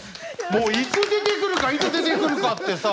もういつ出てくるかいつ出てくるかってさ